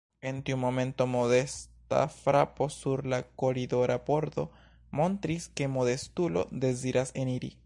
En tiu momento modesta frapo sur la koridora pordo montris, ke modestulo deziras eniri.